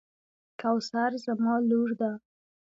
کوثر زما لور ده.